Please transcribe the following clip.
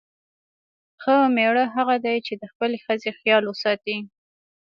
ښه میړه هغه دی چې د خپلې ښځې خیال وساتي.